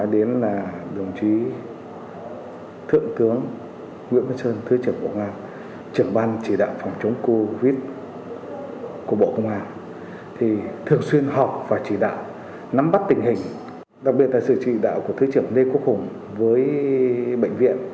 đặc biệt là sự trị đạo của thứ trưởng lê quốc hùng với bệnh viện